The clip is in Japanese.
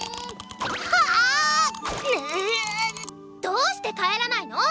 どーして帰らないの⁉